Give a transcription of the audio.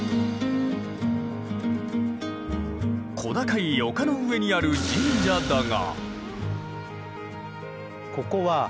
小高い丘の上にある神社だが。